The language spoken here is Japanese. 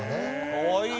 かわいい。